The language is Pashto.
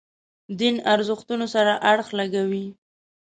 دین ارزښتونو سره اړخ لګوي.